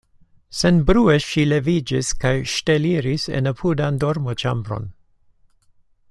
Senbrue ŝi leviĝis kaj ŝteliris en apudan dormoĉambron.